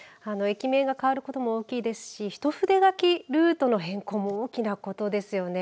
駅名が変わることも大きいですし一筆書きルートの変更も大きなことですよね。